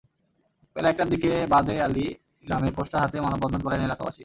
বেলা একটার দিকে বাদে আলী গ্রামে পোস্টার হাতে মানববন্ধন করেন এলাকাবাসী।